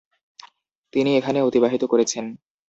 তিনি এখানে অতিবাহিত করেছেন।